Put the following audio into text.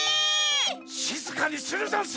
しずかにするざんす！